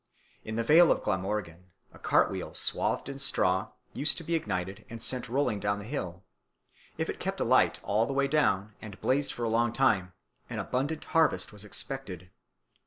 In the Vale of Glamorgan a cart wheel swathed in straw used to be ignited and sent rolling down the hill. If it kept alight all the way down and blazed for a long time, an abundant harvest was expected.